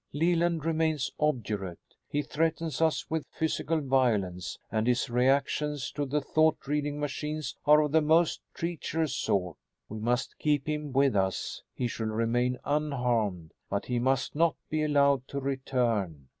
Leland remains obdurate. He threatens us with physical violence, and his reactions to the thought reading machines are of the most treacherous sort. We must keep him with us. He shall remain unharmed, but he must not be allowed to return.